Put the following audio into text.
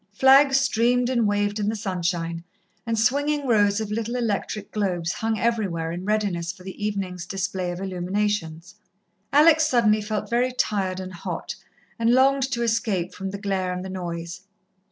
Flags streamed and waved in the sunshine, and swinging rows of little electric globes hung everywhere, in readiness for the evening's display of illuminations. Alex suddenly felt very tired and hot, and longed to escape from the glare and the noise.